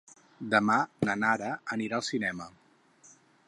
Demà na Nara anirà al cinema.